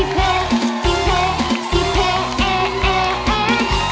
สิเปสิเปเอเอเอ